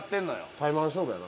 タイマン勝負やな。